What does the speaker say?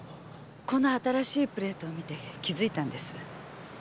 この新しいプレートを見て気づいたんです。